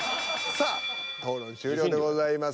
さあ討論終了でございます。